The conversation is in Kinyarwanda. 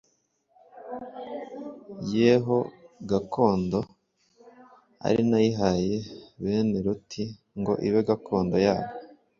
ye ho gakondo. Ari nayihaye bene Loti ngo ibe gakondo yabo.